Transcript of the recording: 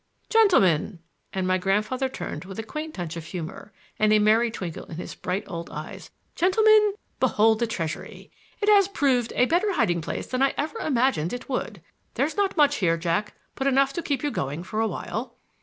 "Gentlemen,"—and my grandfather turned with a quaint touch of humor, and a merry twinkle in his bright old eyes—"gentlemen, behold the treasury! It has proved a better hiding place than I ever imagined it would. There's not much here, Jack, but enough to keep you going for a while."